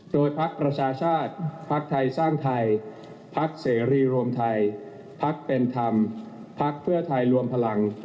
โดยพักประชาชาติภักดิ์ไทยสร้างไทยพักเสรีรวมไทยพักเป็นธรรมพักเพื่อไทยรวมพลัง